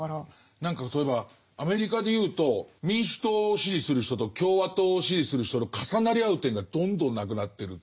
何か例えばアメリカでいうと民主党を支持する人と共和党を支持する人の重なり合う点がどんどんなくなってるって。